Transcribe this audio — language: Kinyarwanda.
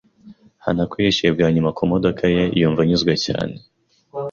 Hanako yishyuye bwa nyuma ku modoka ye, yumva anyuzwe cyane.